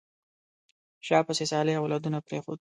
شا پسې صالح اولاد پرېښود.